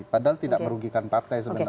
padahal tidak merugikan partai sebenarnya